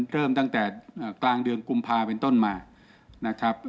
เริ่มตั้งแต่กลางเดือนกุมภาเป็นต้นมานะครับ